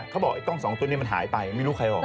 เขาบอกไอ้กล้องสองตัวนี้มันหายไปไม่รู้ใครออกไป